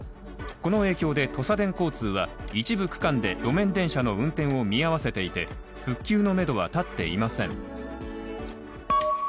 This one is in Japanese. この影響でとさでん交通は一部区間で路面電車の運転を見合わせていて復旧のめどは立っていません。